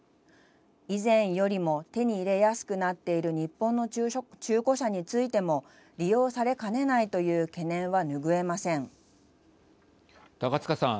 以前よりも手に入れやすくなっている日本の中古車についても利用されかねないという懸念は拭えません。